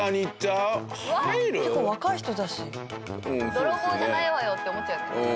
泥棒じゃないわよって思っちゃうよね。